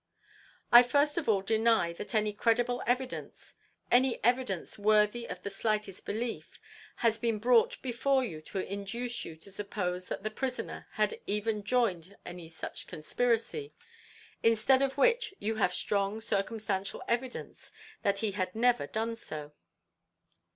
I first of all deny that any credible evidence, any evidence worthy of the slightest belief, has been brought before you to induce you to suppose that the prisoner had even joined any such conspiracy; instead of which you have strong circumstantial evidence that he had never done so.